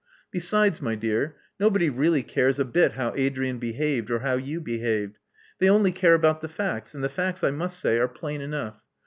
Besides, my dear^ nobody really cares a bit how Adrian behaved or how you behaved: they only. care about the facts; and the fac^ I must say, are plain enough.